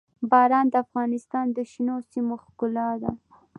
باران د افغانستان د شنو سیمو ښکلا ده.